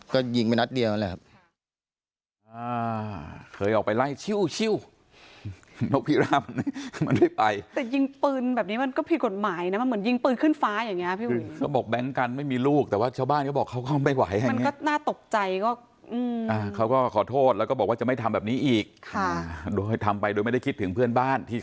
ก็ยิงไปนัดเดียวนั่นแหละครับ